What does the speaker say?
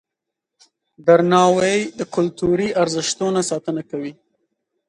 درناوی د کلتوري ارزښتونو ساتنه کوي.